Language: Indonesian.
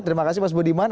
terima kasih mas budiman